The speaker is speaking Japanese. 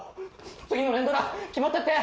次の連ドラ決まったって！